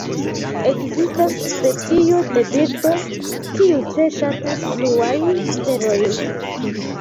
Ekzistas specio de birdo kiu tre ŝatas bluajn aferojn.